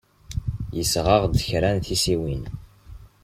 Yesɣa-aɣ-d kra n tissiwin.